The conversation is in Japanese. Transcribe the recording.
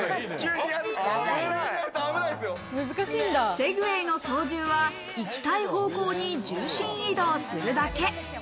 セグウェイの操縦は行きたい方向に重心移動するだけ。